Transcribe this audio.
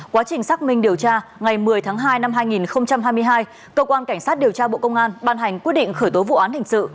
quá trình xác minh điều tra ngày một mươi tháng hai năm hai nghìn hai mươi hai cơ quan cảnh sát điều tra bộ công an ban hành quyết định khởi tố vụ án hình sự